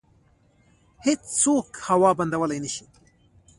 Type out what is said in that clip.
هیڅوک هوا بندولی نشي.